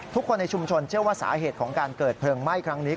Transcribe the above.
ทุกคนในชุมชนเชื่อว่าสาเหตุของการเกิดเพลิงไหม้ครั้งนี้